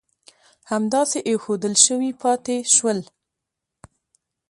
همداسې اېښودل شوي پاتې شول.